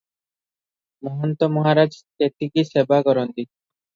ମହନ୍ତ ମହାରାଜ ତେତିକି ସେବା କରନ୍ତି ।